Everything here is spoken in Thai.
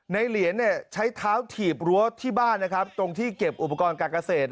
เหรียญใช้เท้าถีบรั้วที่บ้านนะครับตรงที่เก็บอุปกรณ์การเกษตร